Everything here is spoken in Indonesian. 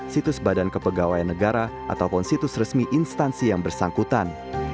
situs badan kepegawaian negara ataupun situs resmi instansi yang bersangkutan